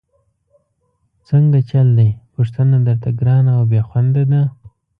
څنګه چل دی، پوښتنه درته ګرانه او بېخونده ده؟!